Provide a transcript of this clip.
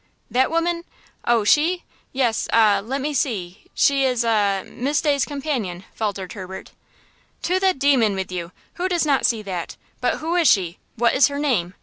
"That woman? Oh, she?–yes–ah, let me see–she is a–Miss Day's companion!" faltered Herbert. "To the demon with you! Who does not see that? But who is she? What is her name?"